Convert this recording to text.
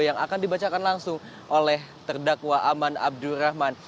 yang akan dibacakan langsung oleh terdakwa aman abdurrahman